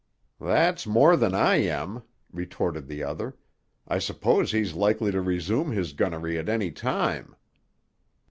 "That's more than I am," retorted the other. "I suppose he's likely to resume his gunnery at any time."